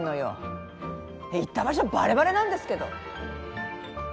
行った場所バレバレなんですけど。